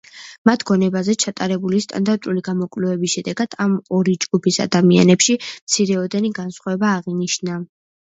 მათ გონებაზე ჩატარებული სტანდარტული გამოკვლევის შედეგად, ამ ორი ჯგუფის ადამიანებში მცირეოდენი განსხვავება აღინიშნა.